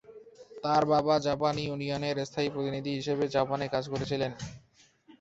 তার বাবা জাপানী ইউনিয়নের স্থায়ী প্রতিনিধি হিসেবে জাপানে কাজ করছিলেন।